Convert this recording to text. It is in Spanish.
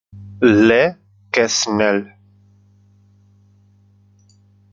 Le Quesnel